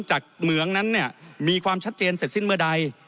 เหมืองนั้นเนี่ยมีความชัดเจนเสร็จสิ้นเมื่อใด